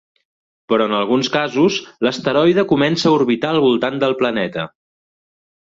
Però en alguns casos, l'asteroide comença a orbitar al voltant del planeta.